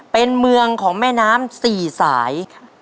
เป็นเมืองของแม่น้ำ๔สาย